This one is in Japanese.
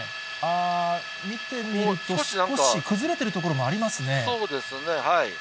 見てみると少し崩れている所そうですね。